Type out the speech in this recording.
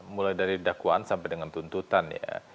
mulai dari dakwaan sampai dengan tuntutan ya